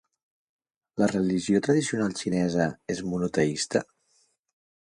La religió tradicional xinesa és monoteista?